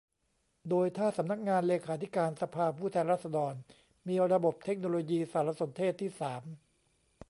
โดยถ้าสำนักงานเลขาธิการสภาผู้แทนราษฎรมีระบบเทคโนโลยีสารสนเทศที่สาม